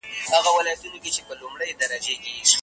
له فشار څخه ځان وساته